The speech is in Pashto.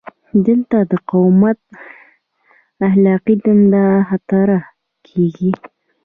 دلته د مقاومت اخلاقي دنده مطرح کیږي.